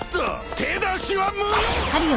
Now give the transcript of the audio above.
手出しは無用！